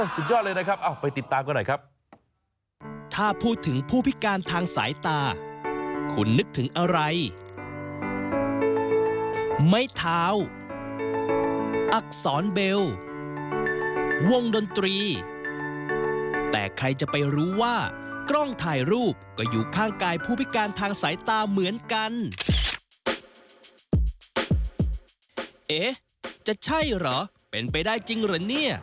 สุดยอดสุดยอดเลยนะครับไปติดตามกันหน่อยครับ